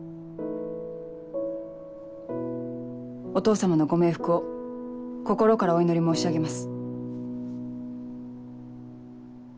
お義父様のご冥福を心からお祈り申し上げます。